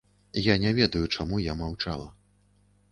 Я не ведаю, чаму я маўчала.